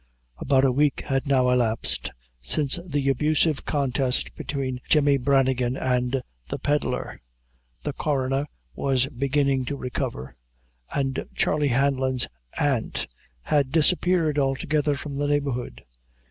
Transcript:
About a week had now elapsed since the abusive contest between Jemmy Branigan and the pedlar; the coroner was beginning to recover, and Charley Hanlon's aunt had disappeared altogether from the neighborhood.